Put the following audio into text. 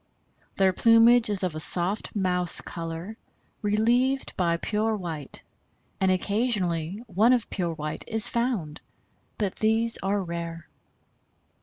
Their plumage is of a soft mouse color relieved by pure white, and occasionally one of pure white is found, but these are rare.